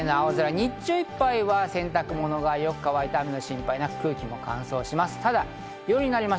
日中いっぱいは洗濯物がよく乾いて雨の心配なく空気も乾燥します。